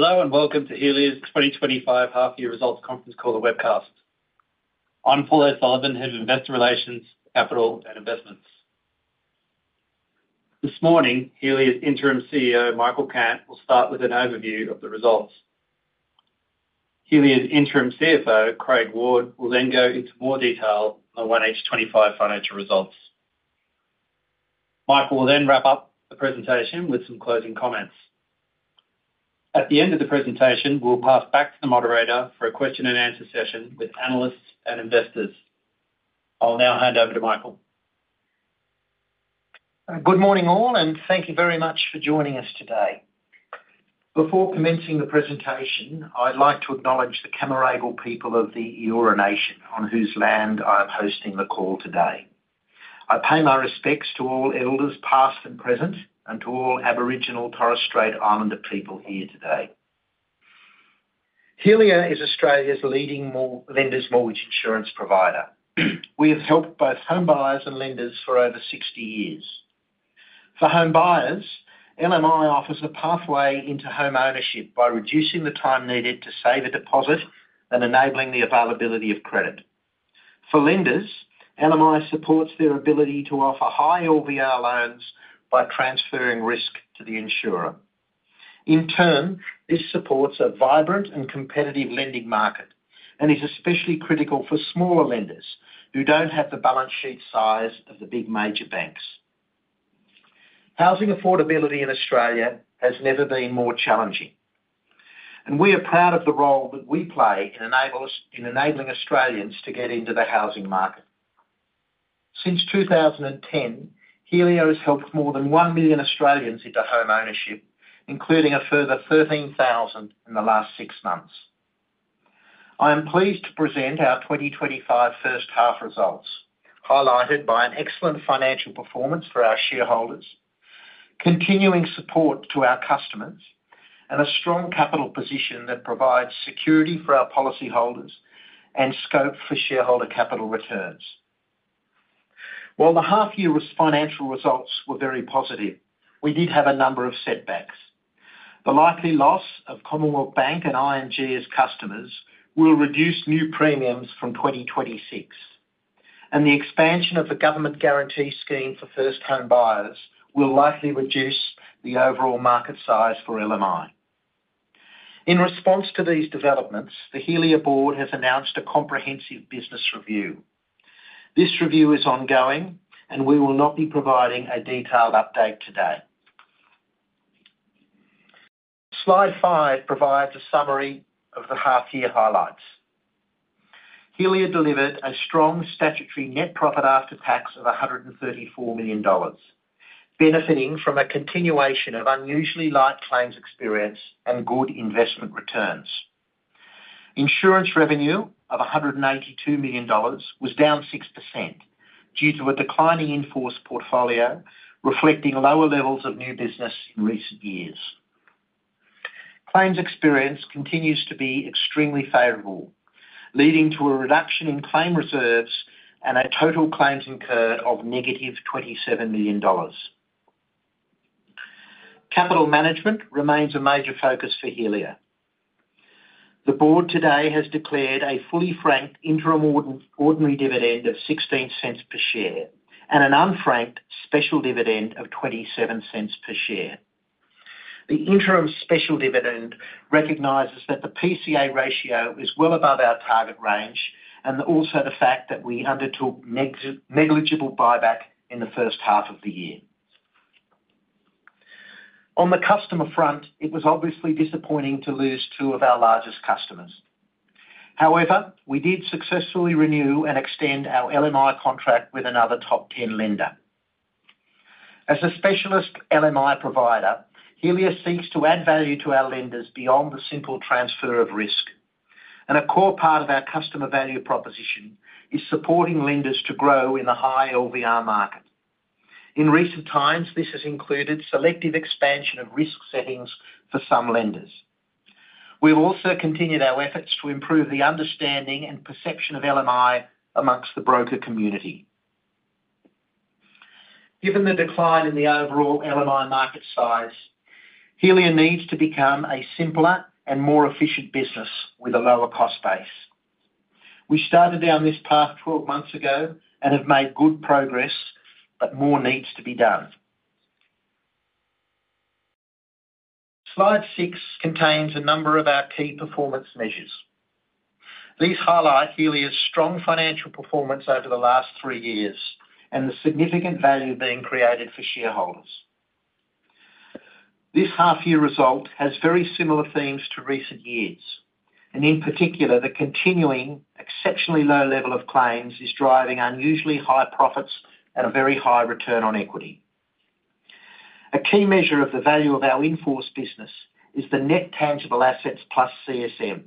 Hello and welcome to Helia's 2025 Half-Year Results Conference Call Webcast. I'm Paul O'Sullivan, Head of Investor Relations, Capital, and Investments. This morning, Helia's Interim CEO, Michael Cant, will start with an overview of the results. Helia's Interim CFO, Craig Ward, will then go into more detail on the 1H25 financial results. Michael will then wrap up the presentation with some closing comments. At the end of the presentation, we'll pass back to the moderator for a question-and-answer session with analysts and investors. I'll now hand over to Michael. Good morning all, and thank you very much for joining us today. Before commencing the presentation, I'd like to acknowledge the Cammeraygal people of the Eora Nation on whose land I'm hosting the call today. I pay my respects to all Elders past and present, and to all Aboriginal and Torres Strait Islander people here today. Helia is Australia's leading lenders mortgage insurance provider. We have helped both home buyers and lenders for over 60 years. For home buyers, LMI offers a pathway into home ownership by reducing the time needed to save a deposit and enabling the availability of credit. For lenders, LMI supports their ability to offer high LVR loans by transferring risk to the insurer. In turn, this supports a vibrant and competitive lending market and is especially critical for smaller lenders who don't have the balance sheet size of the big major banks. Housing affordability in Australia has never been more challenging, and we are proud of the role that we play in enabling Australians to get into the housing market. Since 2010, Helia has helped more than 1 million Australians into home ownership, including a further 13,000 in the last six months. I am pleased to present our 2025 first-half results, highlighted by an excellent financial performance for our shareholders, continuing support to our customers, and a strong capital position that provides security for our policyholders and scope for shareholder capital returns. While the half-year financial results were very positive, we did have a number of setbacks. The likely loss of Commonwealth Bank and ING as customers will reduce new premiums from 2026, and the expansion of the government Guarantee Scheme for first home buyers will likely reduce the overall market size for LMI. In response to these developments, the Helia oard has announced a comprehensive business review. This review is ongoing, and we will not be providing a detailed update today. Slide 5 provides a summary of the half-year highlights. Helia delivered a strong statutory net profit after tax of $134 million, benefiting from a continuation of unusually light claims experience and good investment returns. Insurance revenue of $182 million was down 6% due to a declining enforced portfolio, reflecting lower levels of new business in recent years. Claims experience continues to be extremely favorable, leading to a reduction in claim reserves and a total claims incurred of negative $27 million. Capital management remains a major focus for Helia. The Board today has declared a fully franked interim ordinary dividend of $0.16 per share and an unfranked special dividend of $0.27 per share. The interim special dividend recognizes that the PCA ratio is well above our target range, and also the fact that we undertook negligible buyback in the first-half of the year. On the customer front, it was obviously disappointing to lose two of our largest customers. However, we did successfully renew and extend our LMI contract with another top 10 lender. As a specialist LMI provider, Helia seeks to add value to our lenders beyond the simple transfer of risk, and a core part of our customer value proposition is supporting lenders to grow in the high LVR market. In recent times, this has included selective expansion of risk settings for some lenders. We've also continued our efforts to improve the understanding and perception of LMI amongst the broker community. Given the decline in the overall LMI market size, Helia needs to become a simpler and more efficient business with a lower cost base. We started down this path 12 months ago and have made good progress, but more needs to be done. Slide 6 contains a number of our key performance measures. These highlight Helia's strong financial performance over the last three years and the significant value being created for shareholders. This half-year result has very similar themes to recent years, and in particular, the continuing exceptionally low level of claims is driving unusually high profits at a very high return on equity. A key measure of the value of our enforced business is the net tangible assets plus CSM,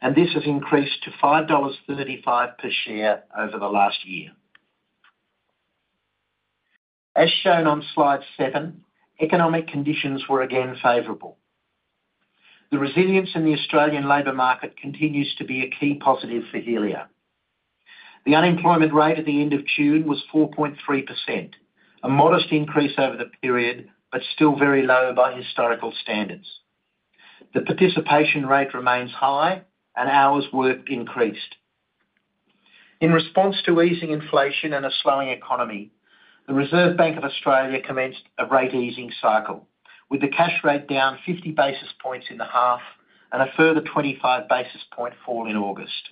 and this has increased to $5.35 per share over the last year. As shown on Slide 7, economic conditions were again favorable. The resilience in the Australian labor market continues to be a key positive for Helia. The unemployment rate at the end of June was 4.3%, a modest increase over the period, but still very low by historical standards. The participation rate remains high, and hours worked increased. In response to easing inflation and a slowing economy, the Reserve Bank of Australia commenced a rate easing cycle, with the cash rate down 50 basis points in the half and a further 25 basis point fall in August.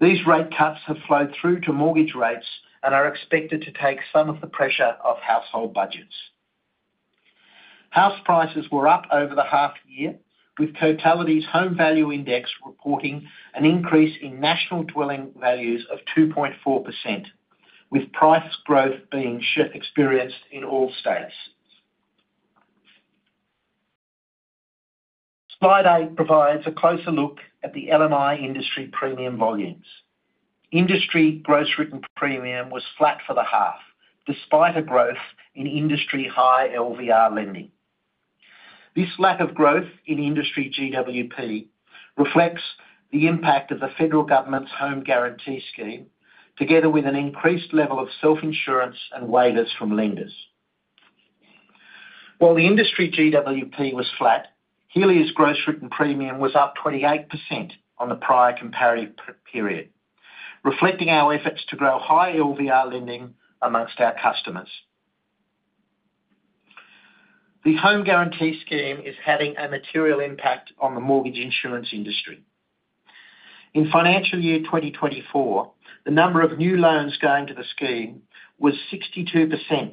These rate cuts have flowed through to mortgage rates and are expected to take some of the pressure off household budgets. House prices were up over the half year, with CoreLogic's Home Value Index reporting an increase in national dwelling values of 2.4%, with price growth being experienced in all states. Slide 8 provides a closer look at the LMI industry premium volumes. Industry gross written premium was flat for the half, despite a growth in industry high LVR lending. This lack of growth in industry GWP reflects the impact of the federal government's Home Guarantee Scheme, together with an increased level of self-insurance and waivers from lenders. While the industry GWP was flat, Helia's gross written premium was up 28% on the prior comparative period, reflecting our efforts to grow high LVR lending amongst our customers. The Home Guarantee Scheme is having a material impact on the mortgage insurance industry. In financial year 2024, the number of new loans going to the scheme was 62%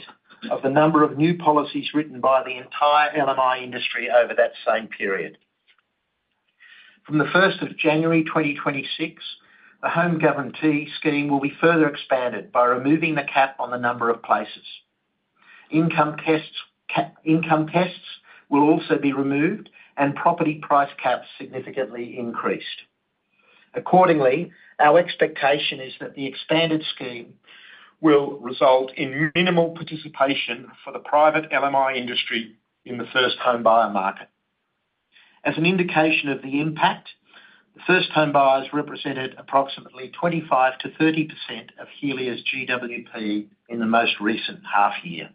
of the number of new policies written by the entire LMI industry over that same period. From 1st of January, 2026, the Home Guarantee Scheme will be further expanded by removing the cap on the number of places. Income tests will also be removed, and property price caps significantly increased. Accordingly, our expectation is that the expanded scheme will result in minimal participation for the private LMI industry in the first home buyer market. As an indication of the impact, first home buyers represented approximately 25%-30% of Helia's GWP in the most recent half year.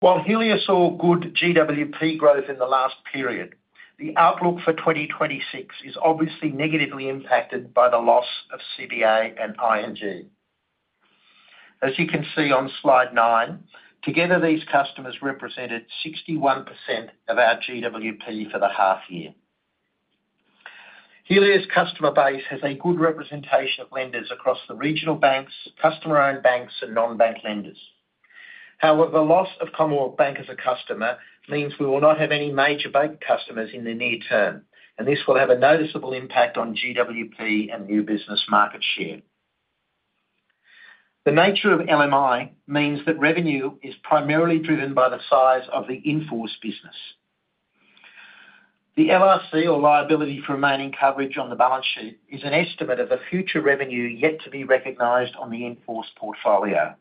While Helia saw good GWP growth in the last period, the outlook for 2026 is obviously negatively impacted by the loss of CBA and ING. As you can see on Slide 9, together these customers represented 61% of our GWP for the half-year. Helia's customer base has a good representation of lenders across the regional banks, customer-owned banks, and non-bank lenders. However, the loss of Commonwealth Bank as a customer means we will not have any major bank customers in the near term, and this will have a noticeable impact on GWP and new business market share. The nature of LMI means that revenue is primarily driven by the size of the enforced business. The LRC, or liability for remaining coverage on the balance sheet, is an estimate of the future revenue yet to be recognized on the enforced portfolio.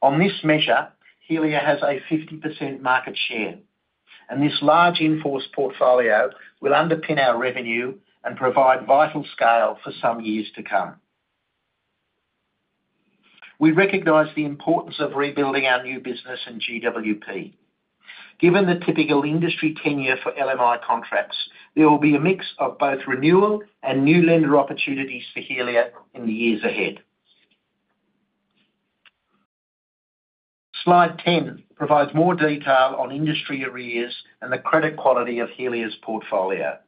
On this measure, Helia has a 50% market share, and this large enforced portfolio will underpin our revenue and provide vital scale for some years to come. We recognize the importance of rebuilding our new business and GWP. Given the typical industry tenure for LMI contracts, there will be a mix of both renewal and new lender opportunities for Helia in the years ahead. Slide 10 provides more detail on industry arrears and the credit quality of Helia's portfolio.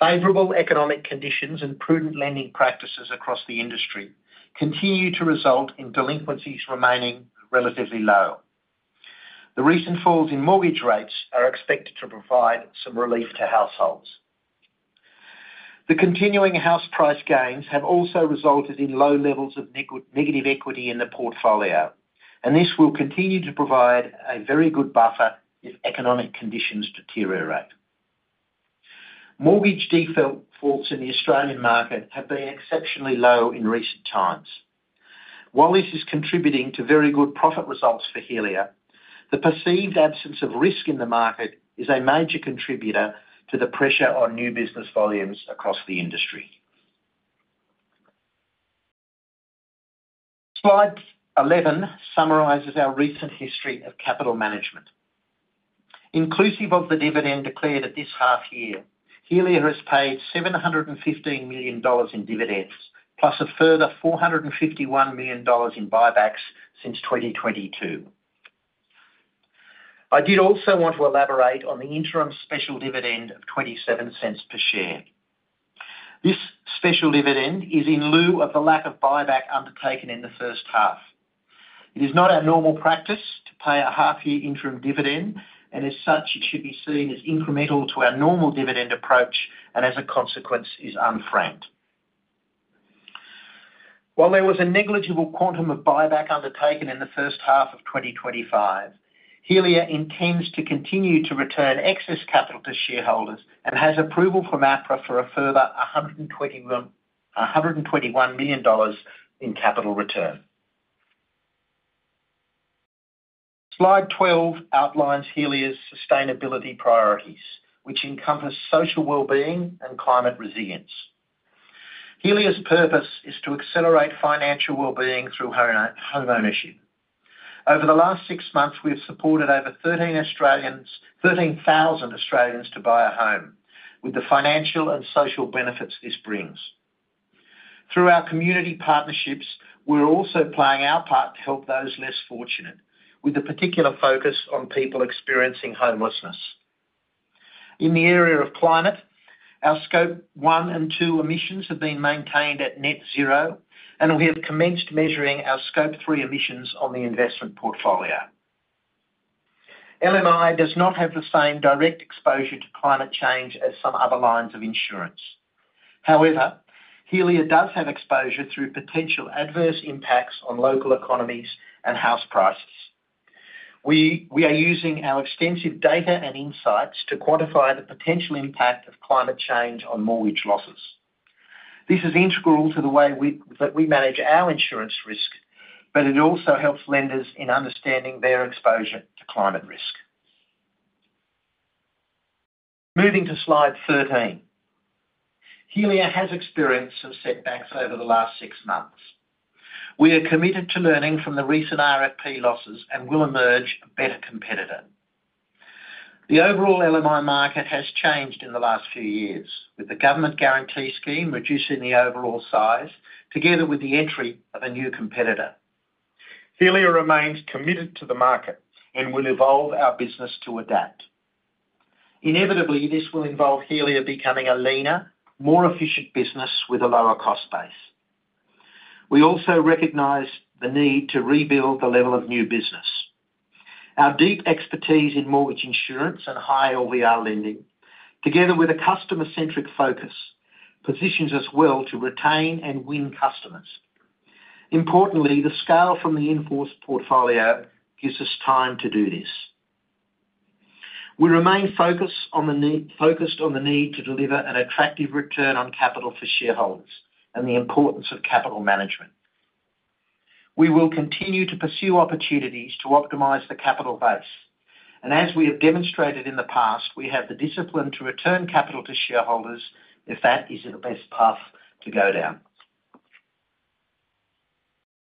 Favorable economic conditions and prudent lending practices across the industry continue to result in delinquencies remaining relatively low. The recent falls in mortgage rates are expected to provide some relief to households. The continuing house price gains have also resulted in low levels of negative equity in the portfolio, and this will continue to provide a very good buffer if economic conditions deteriorate. Mortgage defaults in the Australian market have been exceptionally low in recent times. While this is contributing to very good profit results for Helia, the perceived absence of risk in the market is a major contributor to the pressure on new business volumes across the industry. Slide 11 summarizes our recent history of capital management. Inclusive of the dividend declared at this half year, Helia has paid $715 million in dividends, plus a further $451 million in buybacks since 2022. I did also want to elaborate on the interim special dividend of $0.27 per share. This special dividend is in lieu of the lack of buyback undertaken in the first-half. It is not our normal practice to pay a half-year interim dividend, and as such, it should be seen as incremental to our normal dividend approach and, as a consequence, is unfranked. While there was a negligible quantum of buyback undertaken in the first-half of 2025, Helia intends to continue to return excess capital to shareholders and has approval from APRA for a further $121 million in capital return. Slide 12 outlines Helia's sustainability priorities, which encompass social wellbeing and climate resilience. Helia's purpose is to accelerate financial wellbeing through home ownership. Over the last six months, we have supported over 13,000 Australians to buy a home, with the financial and social benefits this brings. Through our community partnerships, we're also playing our part to help those less fortunate, with a particular focus on people experiencing homelessness. In the area of climate, our Scope 1 and 2 emissions have been maintained at net zero, and we have commenced measuring our Scope 3 emissions on the investment portfolio. LMI does not have the same direct exposure to climate change as some other lines of insurance. However, Helia does have exposure through potential adverse impacts on local economies and house prices. We are using our extensive data and insights to quantify the potential impact of climate change on mortgage losses. This is integral to the way that we manage our insurance risk, but it also helps lenders in understanding their exposure to climate risk. Moving to Slide 13, Helia has experienced some setbacks over the last six months. We are committed to learning from the recent RFP losses and will emerge a better competitor. The overall LMI market has changed in the last few years, with the government guarantee scheme reducing the overall size, together with the entry of a new competitor. Helia remains committed to the market and will evolve our business to adapt. Inevitably, this will involve Helia becoming a leaner, more efficient business with a lower cost base. We also recognize the need to rebuild the level of new business. Our deep expertise in mortgage insurance and high LVR lending, together with a customer-centric focus, positions us well to retain and win customers. Importantly, the scale from the enforced portfolio gives us time to do this. We remain focused on the need to deliver an attractive return on capital for shareholders and the importance of capital management. We will continue to pursue opportunities to optimize the capital base, and as we have demonstrated in the past, we have the discipline to return capital to shareholders if that is the best path to go down.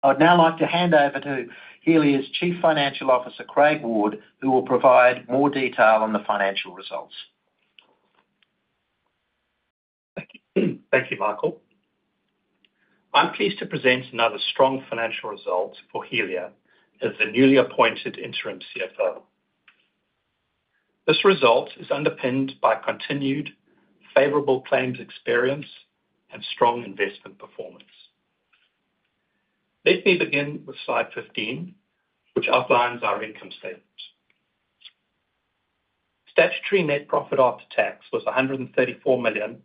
I would now like to hand over to Helia's Chief Financial Officer, Craig Ward, who will provide more detail on the financial results. Thank you, Michael. I'm pleased to present another strong financial result for Helia as the newly appointed Interim CFO. This result is underpinned by continued favorable claims experience and strong investment performance. Let me begin with Slide 15, which outlines our income statement. Statutory net profit after tax was $134 million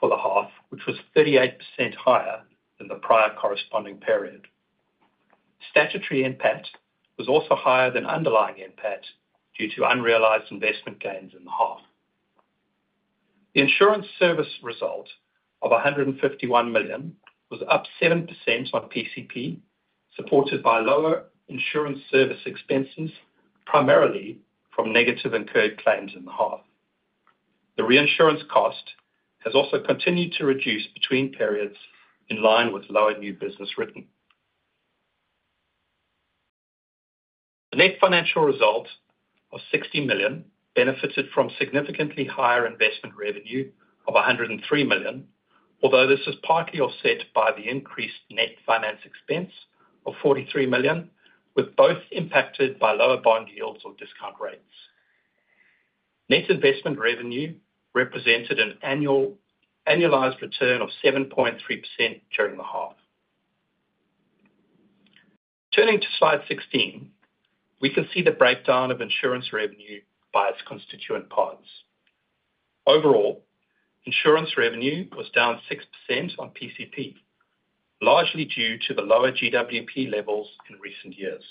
for the half, which was 38% higher than the prior corresponding period. Statutory impact was also higher than underlying impact due to unrealized investment gains in the half. The insurance service result of $151 million was up 7% on PCP, supported by lower insurance service expenses, primarily from negative incurred claims in the half. The reinsurance cost has also continued to reduce between periods in line with lower new business written. The net financial result of $60 million benefited from significantly higher investment revenue of $103 million, although this was partly offset by the increased net finance expense of $43 million, with both impacted by lower bond yields or discount rates. Net investment revenue represented an annualized return of 7.3% during the half. Turning to Slide 16, we can see the breakdown of insurance revenue by its constituent parts. Overall, insurance revenue was down 6% on PCP, largely due to the lower GWP levels in recent years.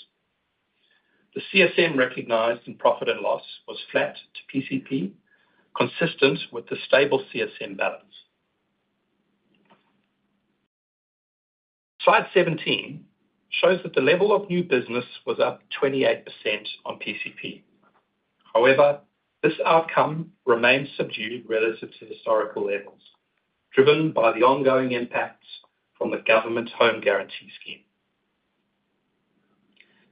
The CSM recognized in profit and loss was flat to PCP, consistent with the stable CSM balance. Slide 17 shows that the level of new business was up 28% on PCP. However, this outcome remains subdued relative to historical levels, driven by the ongoing impacts from the government Home Guarantee Scheme.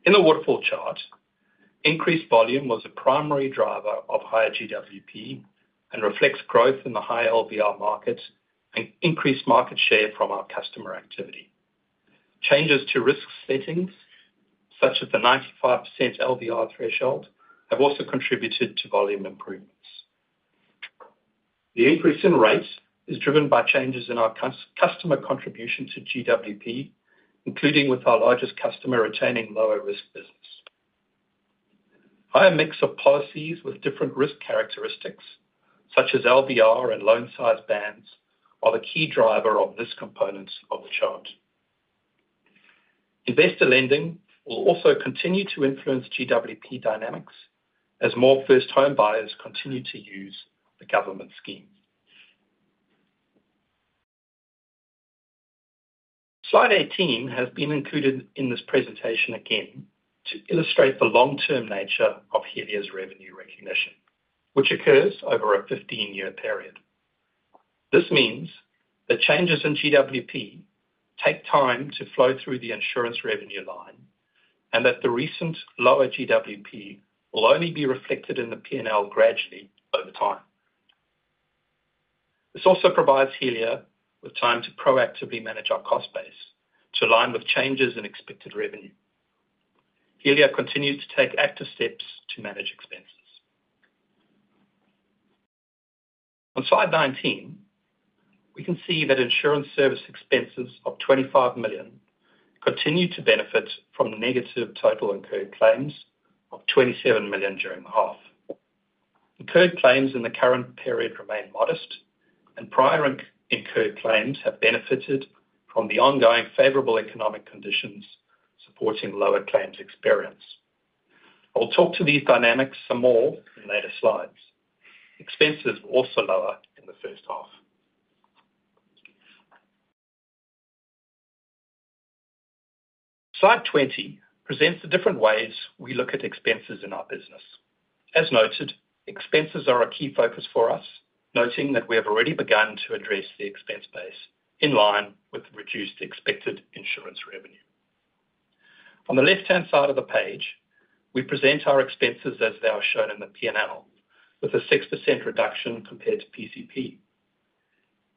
In the waterfall chart, increased volume was a primary driver of higher GWP and reflects growth in the high LVR market and increased market share from our customer activity. Changes to risk settings, such as the 95% LVR threshold, have also contributed to volume improvements. The increase in rate is driven by changes in our customer contribution to GWP, including with our largest customer retaining lower risk business. Our mix of policies with different risk characteristics, such as LVR and loan size bands, are the key drivers on this component of the chart. Investor lending will also continue to influence GWP dynamics as more first home buyers continue to use the government scheme. Slide 18 has been included in this presentation again to illustrate the long-term nature of Helia's revenue recognition, which occurs over a 15-year period. This means that changes in GWP take time to flow through the insurance revenue line and that the recent lower GWP will only be reflected in the P&L gradually over time. This also provides Helia with time to proactively manage our cost base to align with changes in expected revenue. Helia continues to take active steps to manage expenses. On -lide 19, we can see that insurance service expenses of $25 million continue to benefit from the negative total incurred claims of $27 million during the half. Incurred claims in the current period remain modest, and prior incurred claims have benefited from the ongoing favorable economic conditions supporting lower claims experience. I will talk to these dynamics some more in later slides. Expenses are also lower in the first half. Slide 20 presents the different ways we look at expenses in our business. As noted, expenses are a key focus for us, noting that we have already begun to address the expense base in line with the reduced expected insurance revenue. On the left-hand side of the page, we present our expenses as they are shown in the P&L, with a 6% reduction compared to PCP.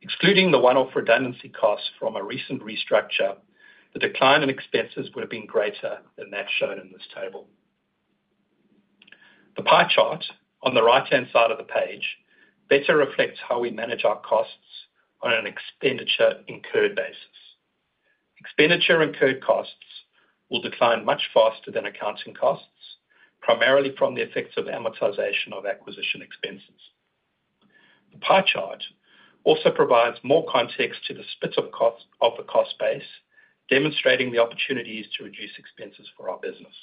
Excluding the one-off redundancy costs from a recent restructure, the decline in expenses would have been greater than that shown in this table. The pie chart on the right-hand side of the page better reflects how we manage our costs on an expenditure-incurred basis. Expenditure-incurred costs will decline much faster than accounting costs, primarily from the effects of amortization of acquisition expenses. The pie chart also provides more context to the split of the cost base, demonstrating the opportunities to reduce expenses for our business.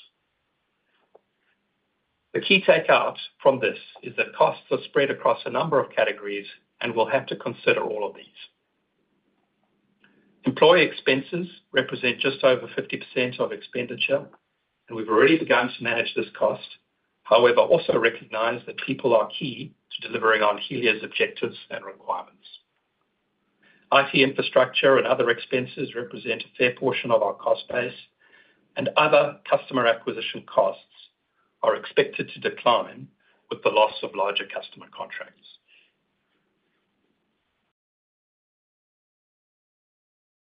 The key takeout from this is that costs are spread across a number of categories and we'll have to consider all of these. Employee expenses represent just over 50% of expenditure, and we've already begun to manage this cost. However, also recognize that people are key to delivering on Helia's objectives and requirements. IT infrastructure and other expenses represent a fair portion of our cost base, and other customer acquisition costs are expected to decline with the loss of larger customer contracts.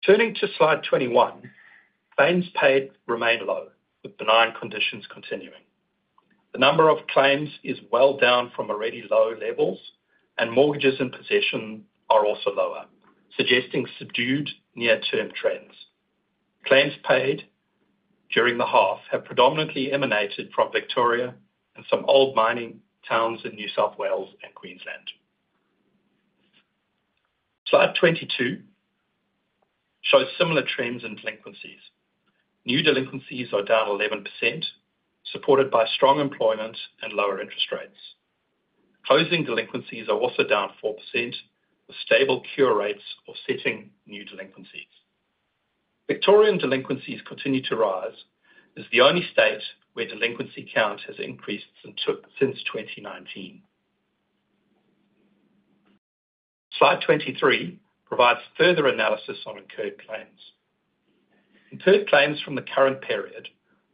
Turning to Slide 21, claims paid remain low, with benign conditions continuing. The number of claims is well down from already low levels, and mortgages in possession are also lower, suggesting subdued near-term trends. Claims paid during the half have predominantly emanated from Victoria and some old mining towns in New South Wales and Queensland. Slide 22 shows similar trends in delinquencies. New delinquencies are down 11%, supported by strong employment and lower interest rates. Closing delinquencies are also down 4%, with stable cure rates offsetting new delinquencies. Victorian delinquencies continue to rise as the only state where delinquency count has increased since 2019. Slide 23 provides further analysis on incurred claims. Incurred claims from the current period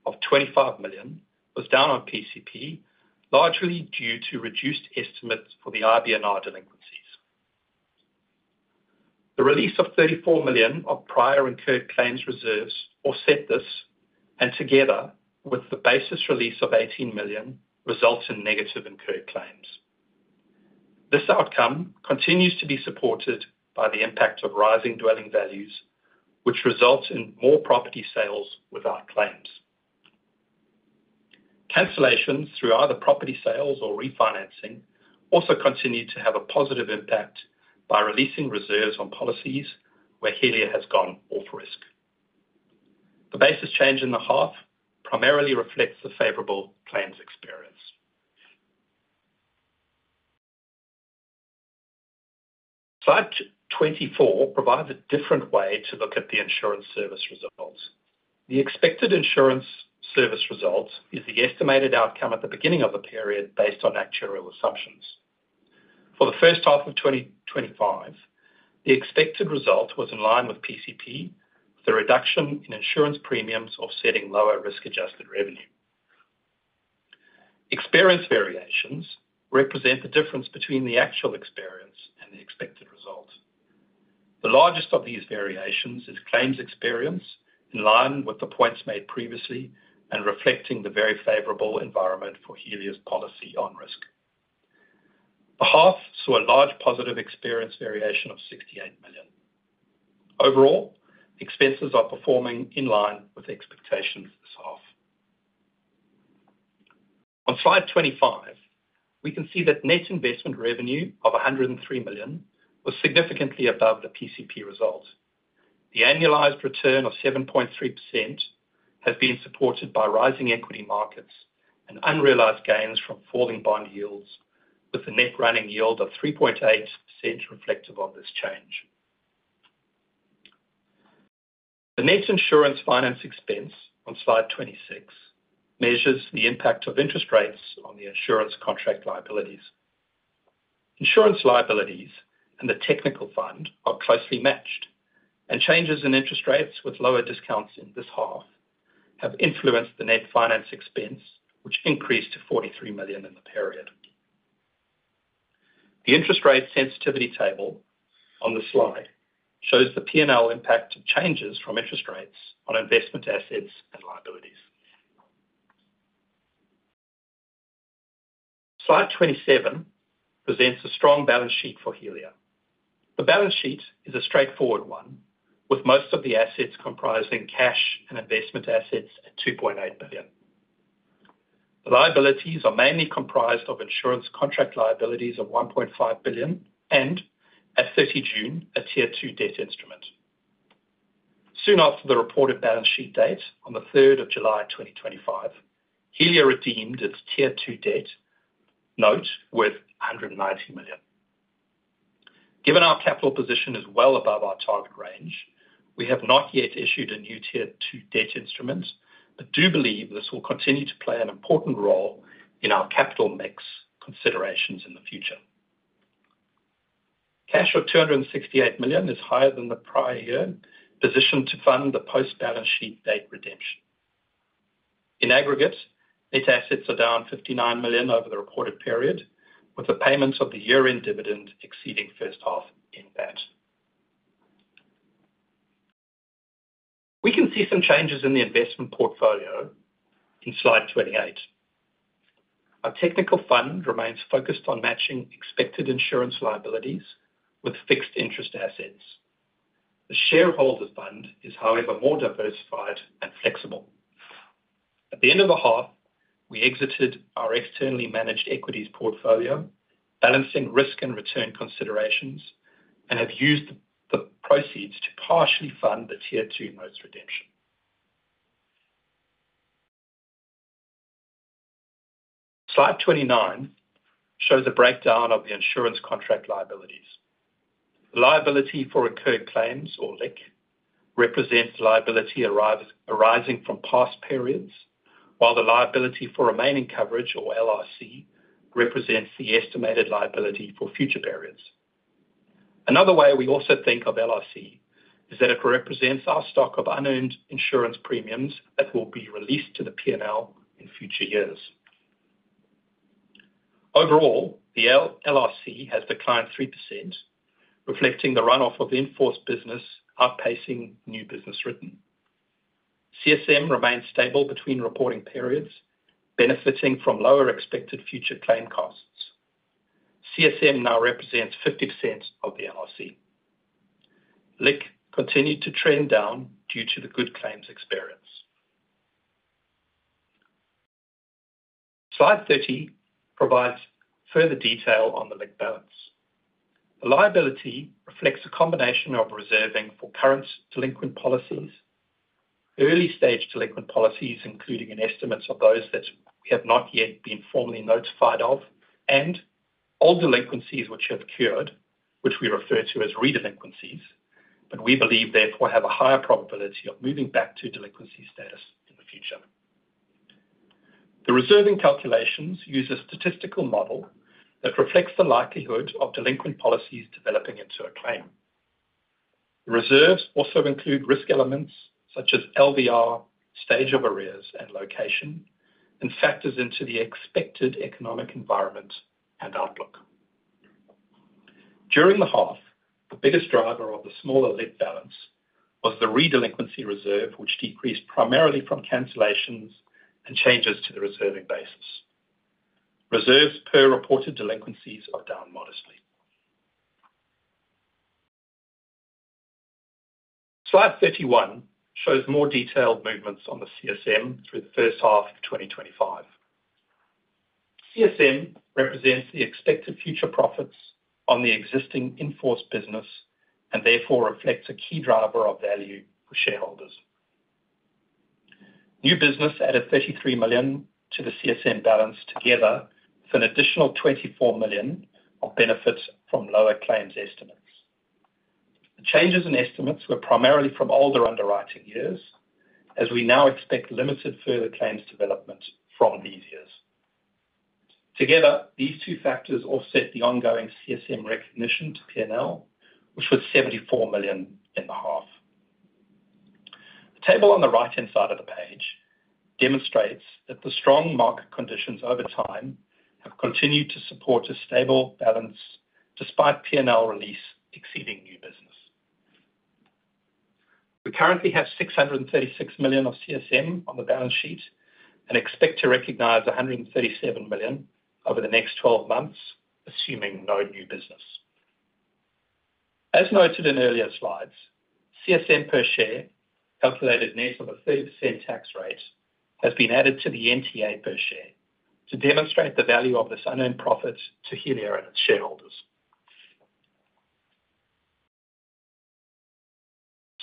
of $25 million was down on PCP, largely due to reduced estimates for the RBNR delinquencies. The release of $34 million of prior incurred claims reserves offset this, and together with the basis release of $18 million results in negative incurred claims. This outcome continues to be supported by the impact of rising dwelling values, which result in more property sales without claims. Cancellations through either property sales or refinancing also continue to have a positive impact by releasing reserves on policies where Helia has gone off risk. The basis change in the half primarily reflects the favorable claims experience. Slide 24 provides a different way to look at the insurance service results. The expected insurance service result is the estimated outcome at the beginning of the period based on actuarial assumptions. For the first-half of 2025, the expected result was in line with PCP, with a reduction in insurance premiums offsetting lower risk-adjusted revenue. Experience variations represent the difference between the actual experience and the expected result. The largest of these variations is claims experience in line with the points made previously and reflecting the very favorable environment for Helia's policy on risk. The half saw a large positive experience variation of $68 million. Overall, expenses are performing in line with expectations this half. On Slide 25, we can see that net investment revenue of $103 million was significantly above the PCP result. The annualized return of 7.3% has been supported by rising equity markets and unrealized gains from falling bond yields, with the net running yield of 3.8% reflective of this change. The net insurance finance expense on Slide 26 measures the impact of interest rates on the insurance contract liabilities. Insurance liabilities and the technical fund are closely matched, and changes in interest rates with lower discounts in this half have influenced the net finance expense, which increased to $43 million in the period. The interest rate sensitivity table on the slide shows the P&L impact of changes from interest rates on investment assets and liabilities. Slide 27 presents a strong balance sheet for Helia. The balance sheet is a straightforward one, with most of the assets comprising cash and investment assets at $2.8 million. The liabilities are mainly comprised of insurance contract liabilities of $1.5 billion and, at 30 June, a Tier 2 debt instrument. Soon after the reported balance sheet date, on the 3rd of July 2025, Helia redeemed its Tier 2 debt note worth $119 million. Given our capital position is well above our target range, we have not yet issued a new Tier 2 debt instrument, but do believe this will continue to play an important role in our capital mix considerations in the future. Cash of $268 million is higher than the prior year, positioned to fund the post-balance sheet date redemption. In aggregate, net assets are down $59 million over the reported period, with the payments of the year-end dividend exceeding first half impact. We can see some changes in the investment portfolio in Slide 28. Our technical fund remains focused on matching expected insurance liabilities with fixed interest assets. The shareholder fund is, however, more diversified and flexible. At the end of the half, we exited our externally managed equities portfolio, balancing risk and return considerations, and have used the proceeds to partially fund the Tier 2 notes or LIC. Slide 29 shows a breakdown of the insurance contract liabilities. The liability for incurred claims, or LIC, represents liability arising from past periods, while the liability for remaining coverage, or LRC, represents the estimated liability for future periods. Another way we also think of LRC is that it represents our stock of unearned insurance premiums that will be released to the P&L in future years. Overall, the LRC has declined 3%, reflecting the runoff of the enforced business outpacing new business written. CSM remains stable between reporting periods, benefiting from lower expected future claim costs. CSM now represents 50% of the LRC. LIC continued to trend down due to the good claims experience. Slide 30 provides further detail on the LIC balance. The liability reflects a combination of reserving for current delinquent policies, early-stage delinquent policies, including an estimate of those that have not yet been formally notified of, and all delinquencies which have occurred, which we refer to as re-delinquencies, but we believe therefore have a higher probability of moving back to delinquency status in the future. The reserving calculations use a statistical model that reflects the likelihood of delinquent policies developing into a claim. The reserves also include risk elements such as LVR, stage of arrears, and location, and factors into the expected economic environment and outlook. During the half, the biggest driver of the smaller LIC balance was the re-delinquency reserve, which decreased primarily from cancellations and changes to the reserving basis. Reserves per reported delinquencies are down modestly. Slide 31 shows more detailed movements on the CSM through the first-half of 2025. CSM represents the expected future profits on the existing enforced business and therefore reflects a key driver of value for shareholders. New business added $33 million to the CSM balance together with an additional $24 million of benefits from lower claims estimates. The changes in estimates were primarily from older underwriting years, as we now expect limited further claims development from these years. Together, these two factors offset the ongoing CSM recognition to P&L, which was $74 million in the half. The table on the right-hand side of the page demonstrates that the strong market conditions over time have continued to support a stable balance despite P&L release exceeding new business. We currently have $636 million of CSM on the balance sheet and expect to recognize $137 million over the next 12 months, assuming no new business. As noted in earlier slides, CSM per share, calculated now to the 30% tax rate, has been added to the NTA per share to demonstrate the value of this unearned profit to Helia and its shareholders.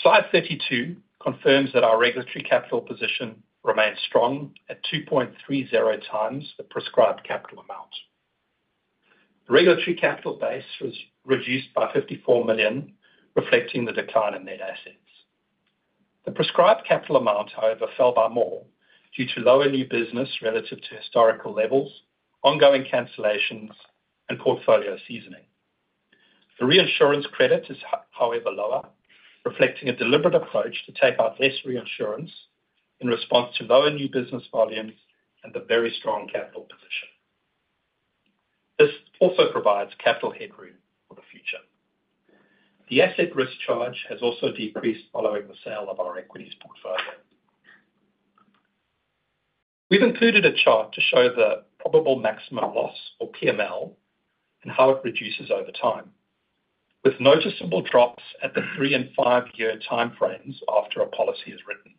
Slide 32 confirms that our regulatory capital position remains strong at 2.30x the prescribed capital amount. The regulatory capital base was reduced by $54 million, reflecting the decline in net assets. The prescribed capital amount, however, fell by more due to lower new business relative to historical levels, ongoing cancellations, and portfolio seasoning. The reinsurance credit is, however, lower, reflecting a deliberate approach to take out less reinsurance in response to lower new business volumes and the very strong capital position. This also provides capital headroom in the future. The asset risk charge has also decreased following the sale of our equities portfolio. We've included a chart to show the probable maximum loss, or PML, and how it reduces over time, with noticeable drops at the three and five-year timeframes after a policy is written.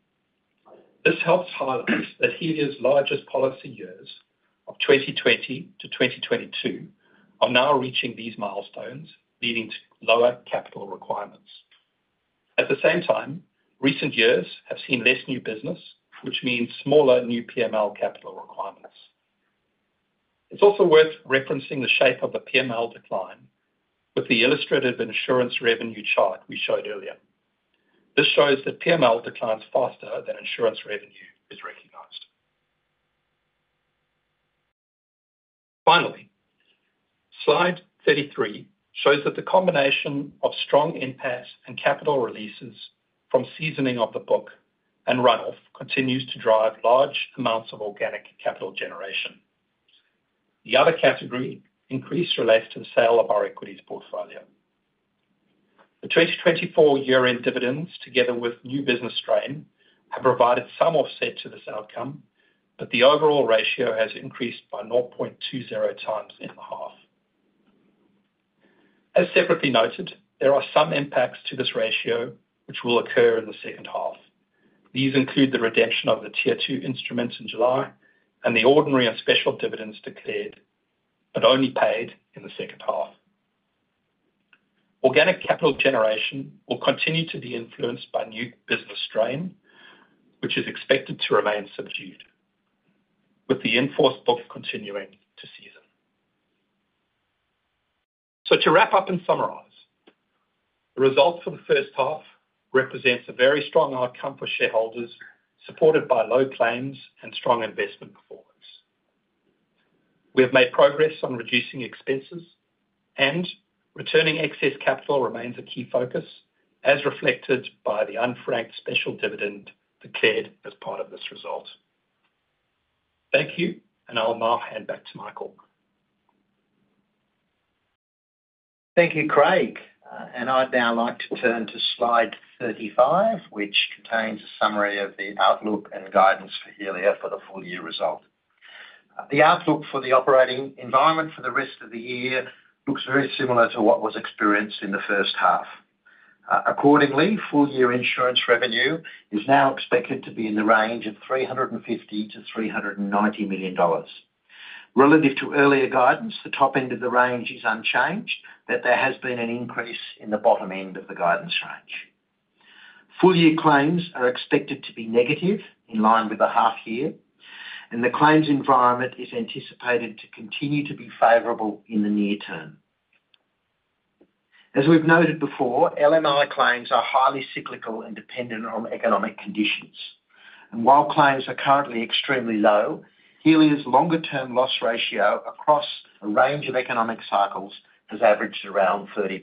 This helps highlight that Helia's largest policy years of 2020 to 2022 are now reaching these milestones, leading to lower capital requirements. At the same time, recent years have seen less new business, which means smaller new PML capital requirements. It's also worth referencing the shape of the PML decline with the illustrated insurance revenue chart we showed earlier. This shows that PML declines faster than insurance revenue is recognized. Finally, Slide 33 shows that the combination of strong impact and capital releases from seasoning of the book and runoff continues to drive large amounts of organic capital generation. The other category increase relates to the sale of our equities portfolio. The 2024 year-end dividends, together with new business strain, have provided some offset to this outcome, but the overall ratio has increased by 0.20x in the half. As separately noted, there are some impacts to this ratio which will occur in the second half. These include the redemption of the Tier 2 instruments in July and the ordinary and special dividends declared, but only paid in the second half. Organic capital generation will continue to be influenced by new business strain, which is expected to remain subdued, with the enforced book continuing to season. To wrap up and summarize, the results from the first-half represent a very strong outcome for shareholders, supported by low claims and strong investment performance. We have made progress on reducing expenses, and returning excess capital remains a key focus, as reflected by the unfranked special dividend declared as part of this result. Thank you, and I'll now hand back to Michael. Thank you, Craig. I'd now like to turn to Slide 35, which contains a summary of the outlook and guidance for Helia for the full year result. The outlook for the operating environment for the rest of the year looks very similar to what was experienced in the first-half. Accordingly, full year insurance revenue is now expected to be in the range of $350 million-$390 million. Relative to earlier guidance, the top end of the range is unchanged, but there has been an increase in the bottom end of the guidance range. Full year claims are expected to be negative in line with the half-year, and the claims environment is anticipated to continue to be favorable in the near term. As we've noted before, LMI claims are highly cyclical and dependent on economic conditions. While claims are currently extremely low, Helia's longer-term loss ratio across a range of economic cycles has averaged around 30%.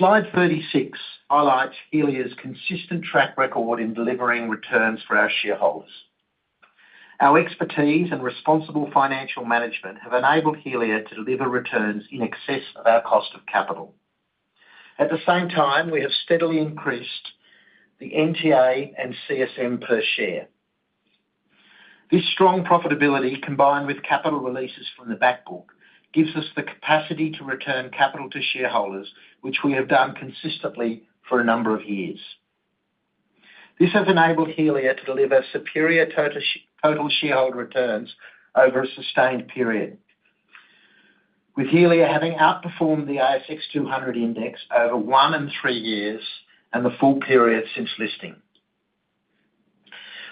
Slide 36 highlights Helia's consistent track record in delivering returns for our shareholders. Our expertise and responsible financial management have enabled Helia to deliver returns in excess of our cost of capital. At the same time, we have steadily increased the NTA and CSM per share. This strong profitability, combined with capital releases from the backbook, gives us the capacity to return capital to shareholders, which we have done consistently for a number of years. This has enabled Helia to deliver superior total shareholder returns over a sustained period, with Helia having outperformed the ASX 200 index over one and three years and the full period since listing.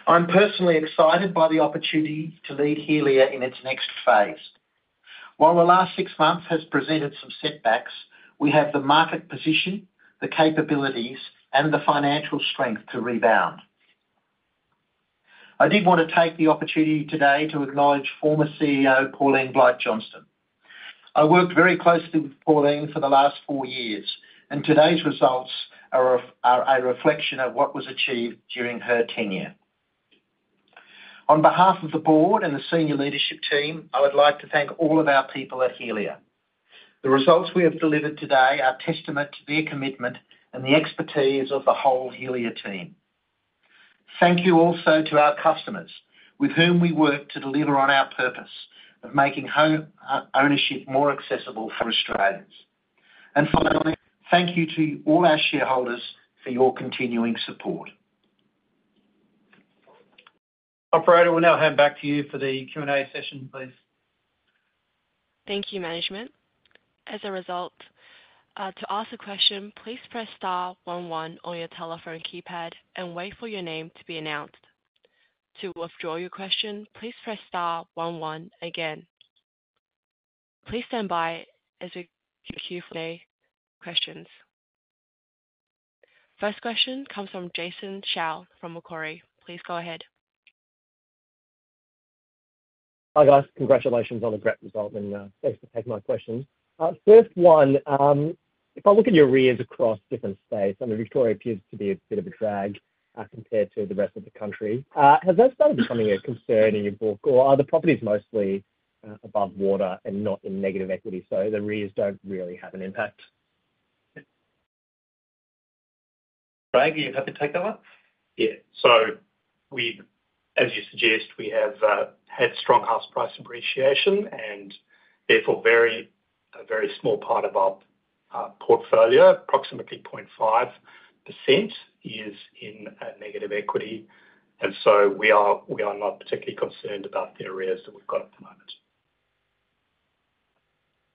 I'm personally excited by the opportunity to lead Helia in its next phase. While the last six months have presented some setbacks, we have the market position, the capabilities, and the financial strength to rebound. I did want to take the opportunity today to acknowledge former CEO Pauline Blight-Johnston. I worked very closely with Pauline for the last four years, and today's results are a reflection of what was achieved during her tenure. On behalf of the Board and the Senior Leadership Team, I would like to thank all of our people at Helia. The results we have delivered today are a testament to their commitment and the expertise of the whole Helia team. Thank you also to our customers, with whom we work to deliver on our purpose of making home ownership more accessible for Australians. Finally, thank you to all our shareholders for your continuing support. Operator, we'll now hand back to you for the Q&A session, please. Thank you, management. As a result, to ask a question, please press star one one on your telephone keypad and wait for your name to be announced. To withdraw your question, please press star one one again. Please stand by as we queue for the questions. First question comes from Jason Shao from Macquarie. Please go ahead. Hi guys, congratulations on a great result and thanks for taking my question. First one, if I look at your arrears across different states, I mean Victoria appears to be a bit of a drag compared to the rest of the country. Has that started becoming a concern in your book or are the properties mostly above water and not in negative equity so the arrears don't really have an impact? Craig, are you happy to take over? Yeah, as you suggest, we have had strong house price appreciation and therefore a very small part of our portfolio, approximately 0.5%, is in negative equity. We are not particularly concerned about the arrears that we've got at the moment.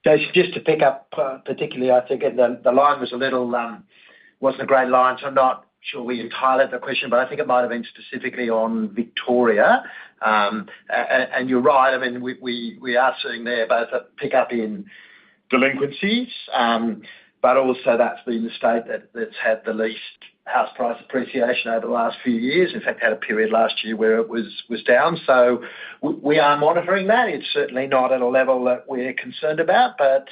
Jason, just to pick up particularly, I think the line was a little, wasn't a great line, so I'm not sure where you'd highlight the question, but I think it might have been specifically on Victoria. You're right, I mean we are seeing there both a pickup in delinquencies, but also that's been the state that's had the least house price appreciation over the last few years. In fact, had a period last year where it was down. We are monitoring that. It's certainly not at a level that we're concerned about, but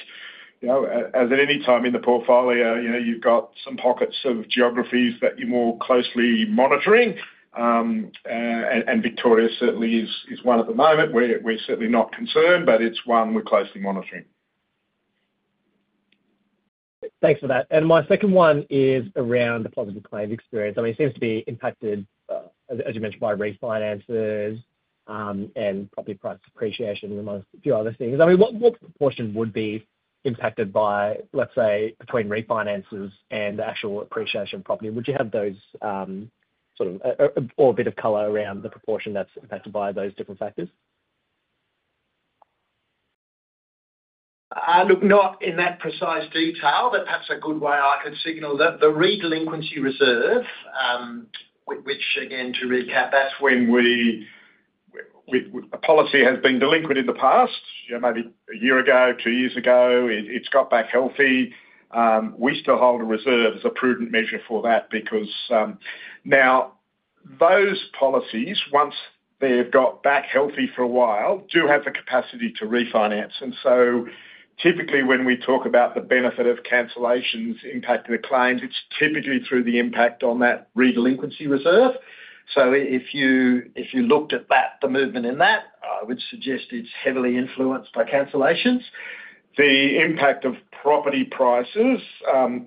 you know as at any time in the portfolio, you've got some pockets of geographies that you're more closely monitoring. Victoria certainly is one at the moment. We're certainly not concerned, but it's one we're closely monitoring. Thanks for that. My second one is around the positive claims experience. It seems to be impacted, as you mentioned, by refinances and property price appreciation amongst a few other things. What proportion would be impacted by, let's say, between refinances and the actual appreciation of property? Would you have those sort of, or a bit of color around the proportion that's impacted by those different factors? I look not in that precise detail, but perhaps a good way I could signal that the re-delinquency reserve, which again to recap, that's when a policy has been delinquent in the past, maybe a year ago, two years ago, it's got back healthy. We still hold a reserve as a prudent measure for that because now those policies, once they've got back healthy for a while, do have the capacity to refinance. Typically when we talk about the benefit of cancellations impacting the claims, it's typically through the impact on that re-delinquency reserve. If you looked at that, the movement in that, I would suggest it's heavily influenced by cancellations. The impact of property prices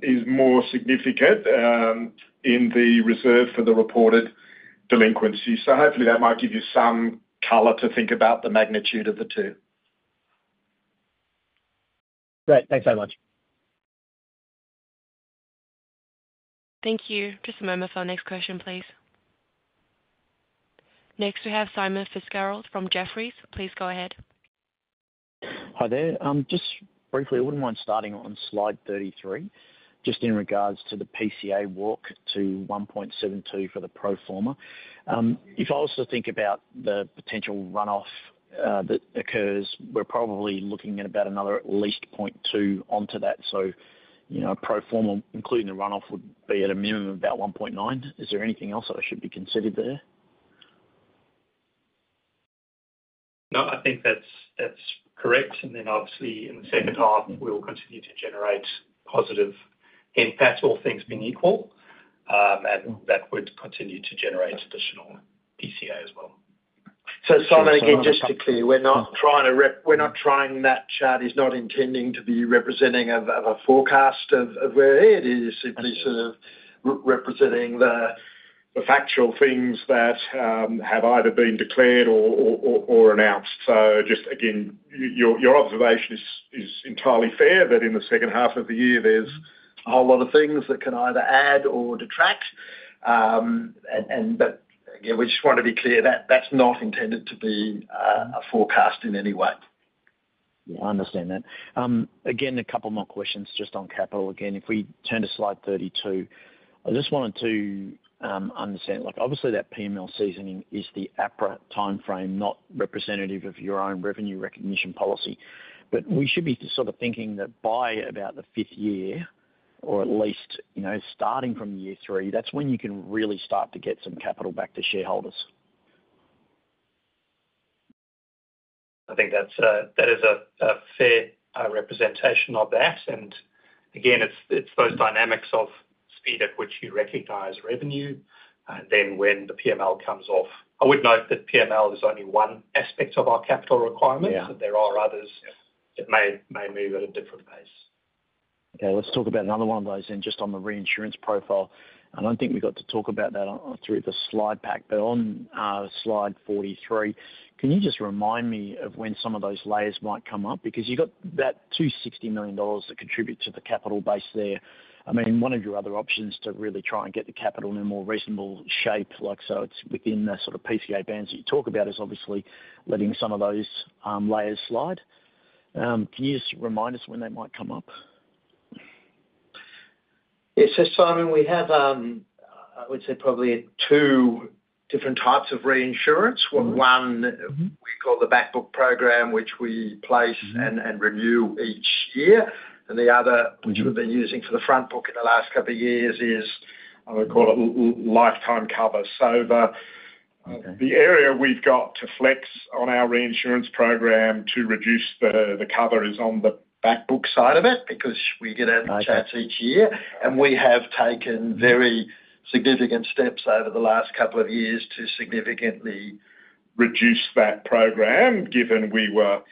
is more significant in the reserve for the reported delinquency. Hopefully that might give you some color to think about the magnitude of the two. Great, thanks very much. Thank you. Just a moment for our next question, please. Next we have Simon Fitzgerald from Jefferies. Please go ahead. Hi there. Just briefly, I wouldn't mind starting on Slide 33, just in regards to the PCA walk to 1.72x for the pro-forma. If I also think about the potential runoff that occurs, we're probably looking at about another at least 0.2x onto that. You know a pro-forma, including the runoff, would be at a minimum of about 1.9x. Is there anything else that I should be considered there? No, I think that's correct. Obviously, in the second half, we will continue to generate positive impacts, all things being equal. That would continue to generate additional PCA as well. Simon, just to be clear, we're not trying to, that chart is not intending to be representing a forecast of where it is. It's simply sort of representing the factual things that have either been declared or announced. Your observation is entirely fair that in the second half of the year there's a whole lot of things that can either add or detract. We just want to be clear that that's not intended to be a forecast in any way. I understand that. A couple more questions just on capital. If we turn to Slide 32, I just wanted to understand, like obviously that PML seasoning is the APRA timeframe, not representative of your own revenue recognition policy. We should be sort of thinking that by about the fifth year, or at least starting from year three, that's when you can really start to get some capital back to shareholders. I think that is a fair representation of that. It's those dynamics of speed at which you recognize revenue. When the PML comes off, I would note that PML is only one aspect of our capital requirements. There are others that may move at a different pace. Okay, let's talk about another one of those then, just on the reinsurance profile. I don't think we got to talk about that through the slide pack, but on Slide 43, can you just remind me of when some of those layers might come up? Because you've got that $260 million to contribute to the capital base there. I mean, one of your other options to really try and get the capital in a more reasonable shape, like so it's within the sort of PCA bands that you talk about, is obviously letting some of those layers slide. Can you just remind us when they might come up? Yeah, Simon, we have, I would say, probably two different types of reinsurance. One we call the backbook program, which we place and renew each year. The other we've been using for the frontbook in the last couple of years is, I would call it lifetime cover. The area we've got to flex on our reinsurance program to reduce the cover is on the backbook side of it because we get out of the charts each year. We have taken very significant steps over the last couple of years to significantly reduce that program given the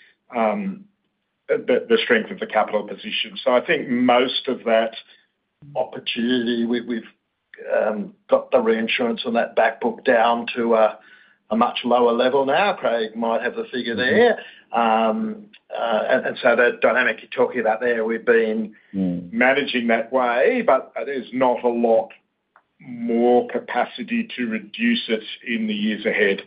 strength of the capital position. I think most of that opportunity, we've got the reinsurance on that backbook down to a much lower level now. Craig might have the figure there. That dynamic you're talking about there, we've been managing that way, but it is not a lot more capacity to reduce it in the years ahead.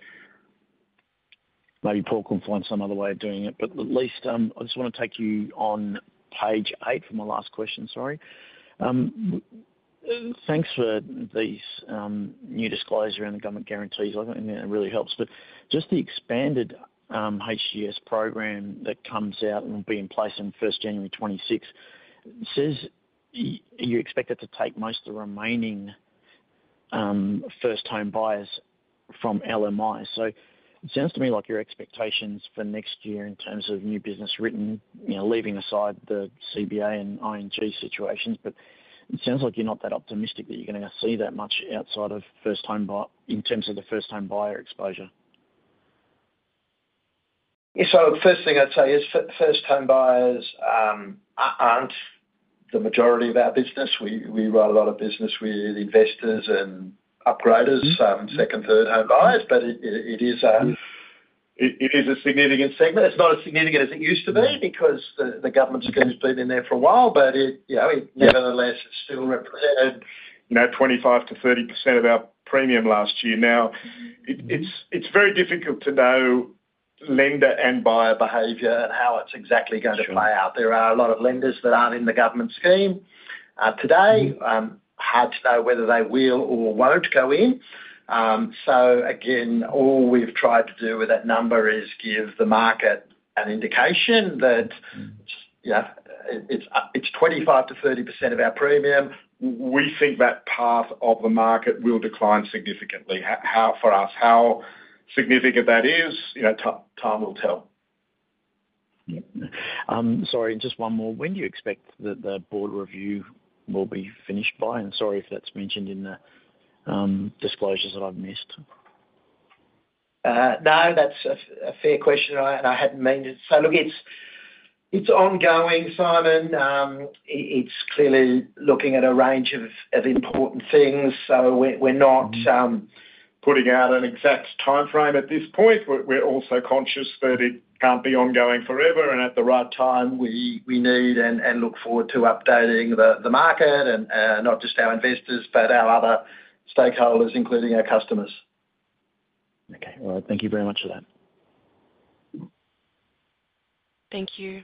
Maybe Paul can find some other way of doing it, but at least I just want to take you on page eight for my last question, sorry. Thanks for these new disclosures around the government guarantees. I think it really helps. Just the expanded HGS program that comes out and will be in place on 1st January, 2026, it says you expect it to take most of the remaining first home buyers from LMI. It sounds to me like your expectations for next year in terms of new business written, leaving aside the CBA and ING situations, it sounds like you're not that optimistic that you're going to see that much outside of first home in terms of the first home buyer exposure. Yeah, the first thing I'd say is first home buyers aren't the majority of our business. We roll out a business with investors and upgraders, second, third home buyers, but it is a significant segment. It's not as significant as it used to be because the government's been in there for a while, but it nevertheless still represented 25%-30% of our premium last year. Now, it's very difficult to know lender and buyer behavior and how it's exactly going to play out. There are a lot of lenders that aren't in the government scheme today, hard to know whether they will or won't go in. All we've tried to do with that number is give the market an indication that it's 25%-30% of our premium. We think that part of the market will decline significantly. How for us, how significant that is, time will tell. Sorry, just one more. When do you expect that the board review will be finished by? Sorry if that's mentioned in the disclosures that I've missed. No, that's a fair question and I hadn't meant it. It's ongoing, Simon. It's clearly looking at a range of important things. We're not putting out an exact timeframe at this point. We're also conscious that it can't be ongoing forever, and at the right time we need and look forward to updating the market and not just our investors, but our other stakeholders, including our customers. Okay, all right. Thank you very much for that. Thank you.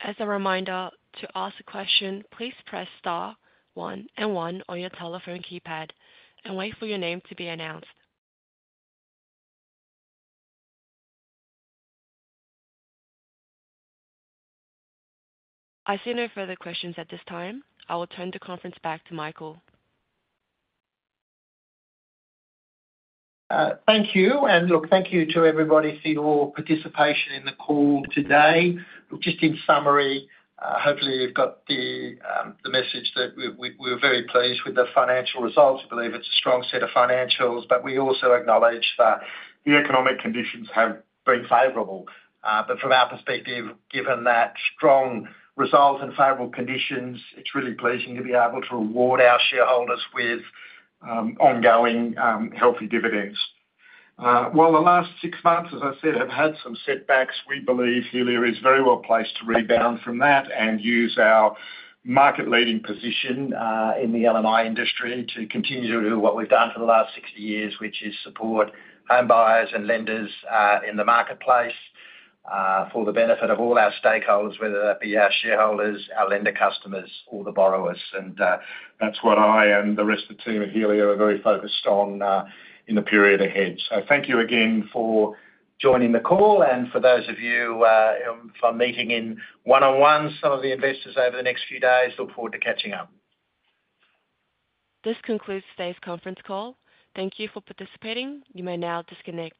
As a reminder, to ask a question, please press star one and one on your telephone keypad and wait for your name to be announced. I see no further questions at this time. I will turn the conference back to Michael. Thank you. Thank you to everybody for your participation in the call today. Just in summary, hopefully you've got the message that we're very pleased with the financial results. We believe it's a strong set of financials, but we also acknowledge that the economic conditions have been favorable. From our perspective, given that strong results and favorable conditions, it's really pleasing to be able to reward our shareholders with ongoing healthy dividends. While the last six months, as I said, have had some setbacks, we believe Helia is very well placed to rebound from that and use our market-leading position in the LMI industry to continue to do what we've done for the last 60 years, which is support home buyers and lenders in the marketplace for the benefit of all our stakeholders, whether that be our shareholders, our lender customers, or the borrowers. That's what I and the rest of the team at Helia are very focused on in the period ahead. Thank you again for joining the call and for those of you if I'm meeting in one-on-one some of the investors over the next few days, look forward to catching up. This concludes today's conference call. Thank you for participating. You may now disconnect.